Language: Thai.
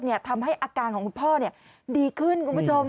ทำให้อาการของคุณพ่อดีขึ้นคุณผู้ชม